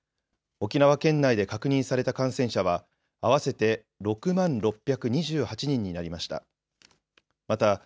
沖縄県内で確認された感染者は合わせて６万６２８人になりました。